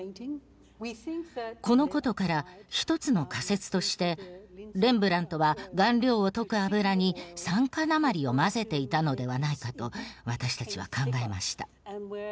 このことから一つの仮説としてレンブラントは顔料を溶く油に酸化鉛を混ぜていたのではないかと私たちは考えました。